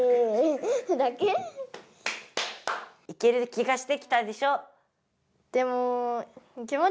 いける気がしてきたでしょ？